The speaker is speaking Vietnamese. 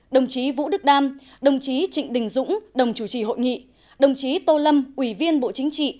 đồng chí vũ đức đam đồng chí trịnh đình dũng đồng chủ trì hội nghị đồng chí tô lâm ủy viên bộ chính trị